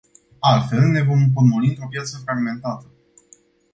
Altfel ne vom împotmoli într-o piață fragmentată.